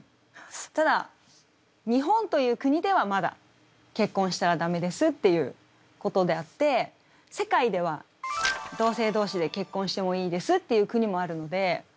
ただ日本という国ではまだ結婚したら駄目ですっていうことであって世界では同性同士で結婚してもいいですっていう国もあるので。